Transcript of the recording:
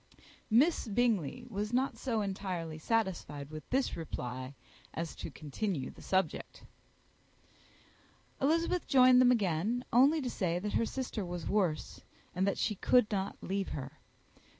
Miss Bingley was not so entirely satisfied with this reply as to continue the subject. Elizabeth joined them again only to say that her sister was worse, and that she could not leave her.